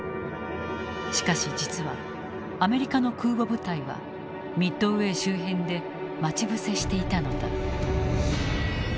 しかし実はアメリカの空母部隊はミッドウェー周辺で待ち伏せしていたのだ。